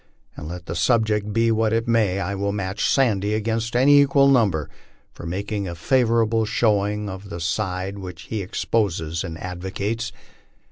And, let the subject be what it may, I will match " Sandy "against an equal number " for making a favorable showing of the side which he espouses or advocates.